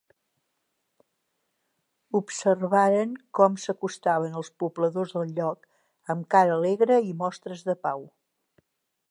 Observaren com s'acostaven els pobladors del lloc, amb cara alegre i mostres de pau.